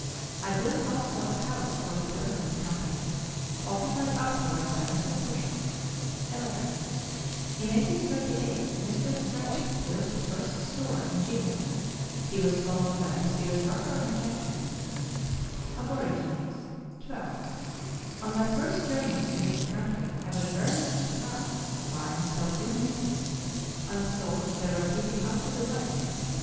I built also a house for the Derwent Company, occupied afterwards by Mr. Fisher. 11. In 1838 Mr. Strachan built the first store in Geelong; he was followed by Messrs. Rucker and Champion. ABOEIGINES. 12. On my first journeys into the country I was very much surprised to find so few natives, and thought they were keeping out of the way.